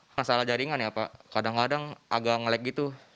masalah jaringan ya pak kadang kadang agak ngelek gitu